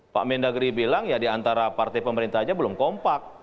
pak mendagri bilang ya diantara partai pemerintah aja belum kompak